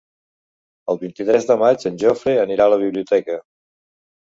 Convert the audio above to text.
El vint-i-tres de maig en Jofre anirà a la biblioteca.